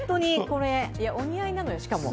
お似合いなのよ、しかも。